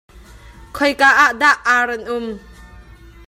Khoi ka ah dah ar an um?